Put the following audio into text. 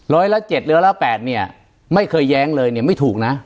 ร้อยละ๗หรือละ๘ไม่เคยแย้งเลยไม่ถูกนะ